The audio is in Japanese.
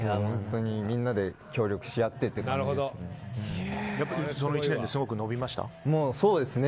みんなで協力し合ってって感じですね。